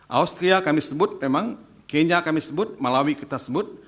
austria kami sebut memang kenya kami sebut malawi kita sebut